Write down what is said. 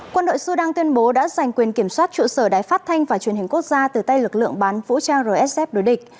quân đội sudan tuyên bố đã giành quyền kiểm soát trụ sở đài phát thanh và truyền hình quốc gia từ tay lực lượng bán vũ trang rsf đối địch